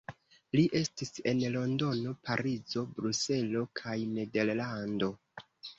Li estis en Londono, Parizo, Bruselo kaj Nederlando.